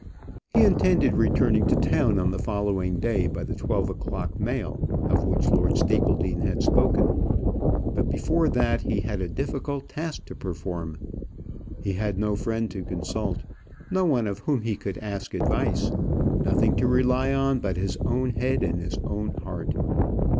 He intended returning to town on the following day by the twelve o'clock mail, of which Lord Stapledean had spoken. But before that he had a difficult task to perform. He had no friend to consult, no one of whom he could ask advice, nothing to rely on but his own head and his own heart.